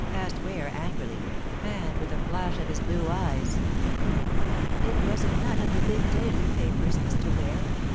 asked Ware angrily, and with a flash of his blue eyes. "It was in none of the big daily papers, Mr. Ware.